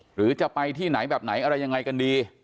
หรือจะไปที่ไหนแบบไหนอะไรยังไงกันดี